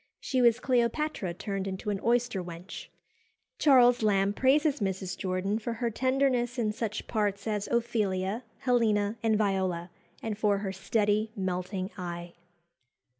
She was Cleopatra turned into an oyster wench." Charles Lamb praises Mrs. Jordan for her tenderness in such parts as Ophelia, Helena, and Viola, and for her "steady, melting eye."